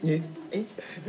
えっ？